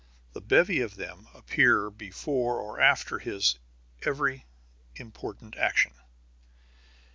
The bevy of them appear before or after his every important action.